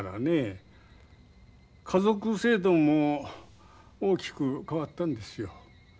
家族制度も大きく変わったんですよ。